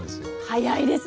早いですね。